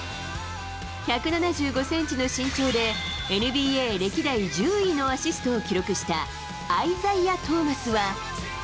１７５センチの身長でＮＢＡ歴代１０位のアシストを記録したアイザイア・トーマスは。